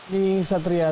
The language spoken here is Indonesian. di satria terima kasih